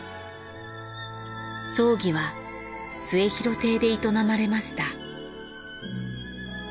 葬儀は『末廣亭』で営まれました。